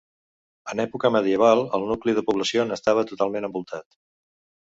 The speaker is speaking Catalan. En època medieval el nucli de població n'estava totalment envoltat.